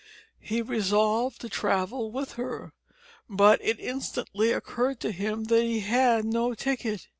He resolved to travel with her, but it instantly occurred to him that he had no ticket.